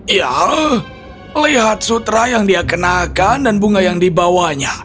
ya lihat sutra yang dia kenakan dan bunga yang dibawanya